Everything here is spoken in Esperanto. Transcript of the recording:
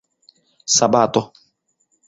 sabato